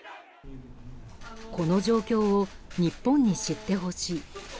この状況を日本に知ってほしい。